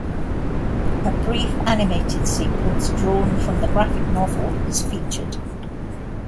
A brief animated sequence drawn from the graphic novel is featured.